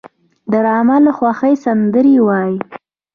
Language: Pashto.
ډرامه له خوښۍ سندرې وايي